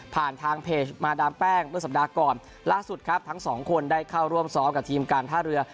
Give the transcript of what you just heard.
ทางเพจมาดามแป้งเมื่อสัปดาห์ก่อนล่าสุดครับทั้งสองคนได้เข้าร่วมซ้อมกับทีมการท่าเรือ